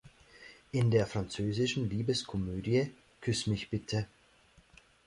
In der französischen Liebeskomödie "Küss mich bitte!